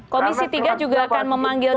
karena terasa terasa terasa keras